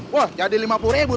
wah jadi lima puluh ribu